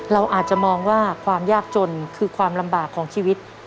เราอาจจะมองว่าความยากจนคือความลำบากของชีวิต